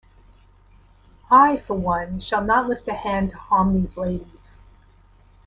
I, for one, shall not lift a hand to harm these ladies.